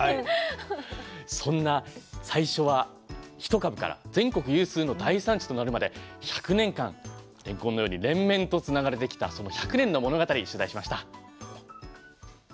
そんな最初は１株から全国有数の大産地となるまで１００年間れんこんのように連綿とつながれてきたその１００年の物語取材しました。